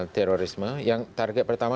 terorisme yang target pertama